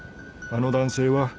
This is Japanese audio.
あの男性は？